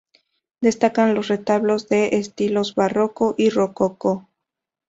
Destacan los retablos de estilos barroco y rococó.